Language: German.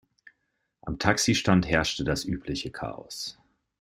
Am Taxistand herrschte das übliche Chaos.